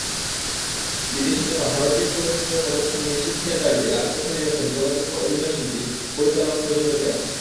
বিদেশি তথা ভারতীয় চলচ্চিত্রের প্রদর্শন নিষিদ্ধের দাবিতে রাজপথে নেমেছেন চলচ্চিত্র অভিনয়শিল্পী, পরিচালক, প্রযোজকেরা।